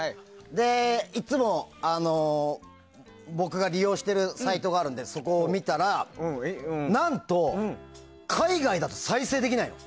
いつも僕が利用しているサイトがあるのでそこを見たら、何と海外だと再生できないの。